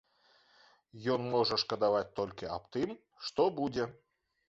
Ён можа шкадаваць толькі аб тым, што будзе.